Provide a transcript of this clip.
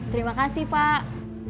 terima kasih pak